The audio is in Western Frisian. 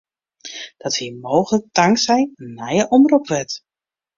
Dat wie mooglik tanksij in nije omropwet.